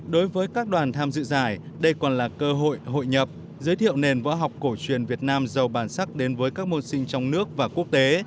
đối với các đoàn tham dự giải đây còn là cơ hội hội nhập giới thiệu nền võ học cổ truyền việt nam giàu bản sắc đến với các môn sinh trong nước và quốc tế